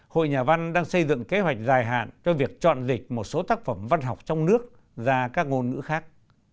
hội nhà văn đang xây dựng kế hoạch dài hạn cho việc chọn dịch một số tác phẩm văn học trong nước ra các ngôn ngữ khác